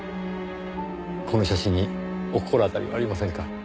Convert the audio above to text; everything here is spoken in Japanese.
この写真にお心当たりはありませんか？